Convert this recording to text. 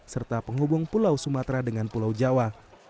serta penghubung pulau sumatera dengan pulau jawa